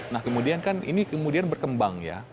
nah kemudian kan ini kemudian berkembang ya